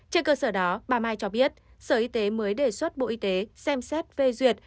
trên cơ sở đó bà mai cho biết sở y tế mới đề xuất bộ y tế xem xét phê duyệt